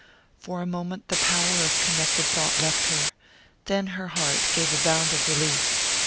For a moment the power of connected thought left her; then her heart gave a bound of relief.